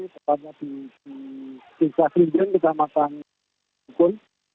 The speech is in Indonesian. sepertinya di sisa krim jenis di jamatan